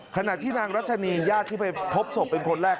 ขณะที่นางรัชนีญาติที่ไปพบศพเป็นคนแรก